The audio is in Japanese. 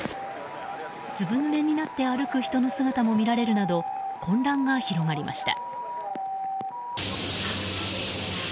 ずぶぬれになって歩く人の姿も見られるなど混乱が広がりました。